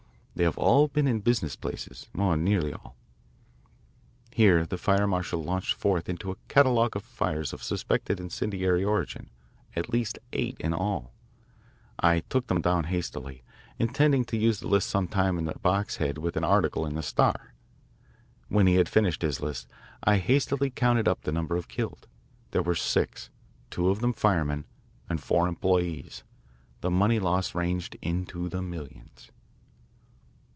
They have all been in business places, or nearly all." Here the fire marshal launched forth into a catalogue of fires of suspected incendiary origin, at least eight in all. I took them down hastily, intending to use the list some time in a box head with an article in the Star. When he had finished his list I hastily counted up the number of killed. There were six, two of them firemen, and four employees. The money loss ranged into the millions.